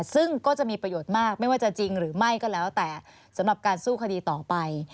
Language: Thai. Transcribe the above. ซึ่งก็จะมีประโยชน์มากไม่ว่าจะจริงหรือไม่ก็แล้วแต่สำหรับการสู้คดีต่อไป